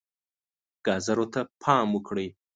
ګازو ته پام وکړئ.